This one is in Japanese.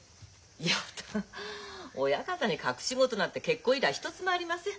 嫌だ親方に隠し事なんて結婚以来一つもありません。